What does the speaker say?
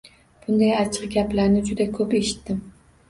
Bunday achchiq gaplarni juda koʻp eshitdim